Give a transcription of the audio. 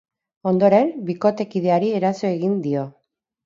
Ondoren, bikotekideari eraso egin dio.